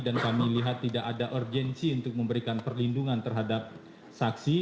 dan kami lihat tidak ada urgensi untuk memberikan perlindungan terhadap saksi